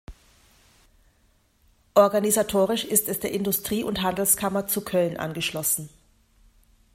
Organisatorisch ist es der Industrie- und Handelskammer zu Köln angeschlossen.